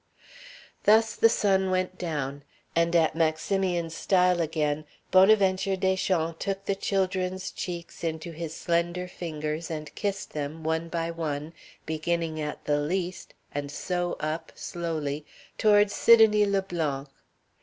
Thus the sun went down. And at Maximian's stile again Bonaventure Deschamps took the children's cheeks into his slender fingers and kissed them, one by one, beginning at the least, and so up, slowly, toward Sidonie Le Blanc.